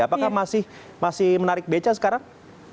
apakah masih menarik beca sekarang